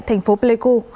thành phố pleiku